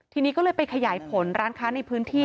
ทีนี้ก็เลยไปขยายผลร้านค้าในพื้นที่